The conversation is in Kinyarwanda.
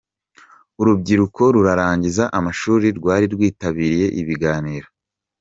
Urubyiruko rurangiza amashuri rwari rwitabiriye ibiganiro.